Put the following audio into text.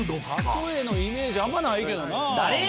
たとえのイメージあんまないけどな。